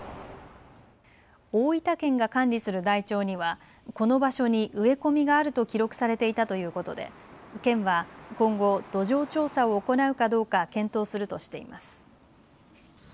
大分県が管理する台帳にはこの場所に植え込みがあると記録されていたということで県は今後土壌調査を行うかどうか検討するとしています。